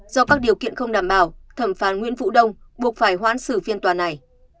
do các điều kiện không đảm bảo thẩm phán nguyễn vũ đông buộc phải hoãn xử phiên tòa này